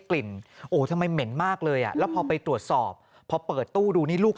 โอ้ทำไมเหม็นมากเลยอ่ะแล้วพอไปตรวจสอบพอเปิดตู้ดูนี่ลูก